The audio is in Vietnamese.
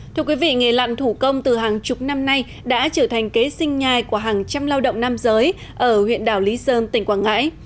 thưa quý vị nghề lặn thủ công từ hàng chục năm nay đã trở thành kế sinh nhai của hàng trăm lao động nam giới ở huyện đảo lý sơn tỉnh quảng ngãi